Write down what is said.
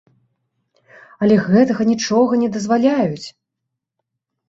Але гэтага нічога не дазваляюць!